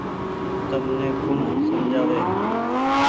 تمني ڪوڻ سمجها وي ۔